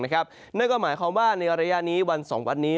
นั่นก็หมายความว่าในระยะนี้วัน๒วันนี้